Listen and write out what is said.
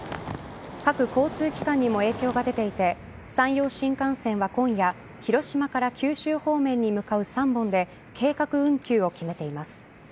各交通機関にも影響が出ていて山陽新幹線は今夜広島から九州方面に向かう３本で計画運休を決めています。